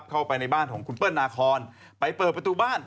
เข้าไปในบ้านของคุณเปิ้ลนาคอนไปเปิดประตูบ้าน